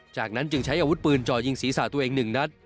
จากนั้นจึงใช้อาวุธปืนจ่อยิงศีรษะตัวเอง๑นัด